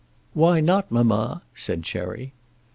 "Why not, mamma?" said Cherry.